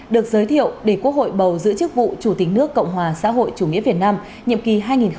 được giới thiệu để quốc hội bầu giữ chức vụ chủ tịch nước cộng hòa xã hội chủ nghĩa việt nam nhiệm kỳ hai nghìn hai mươi một hai nghìn hai mươi một